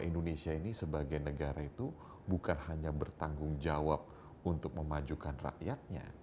indonesia ini sebagai negara itu bukan hanya bertanggung jawab untuk memajukan rakyatnya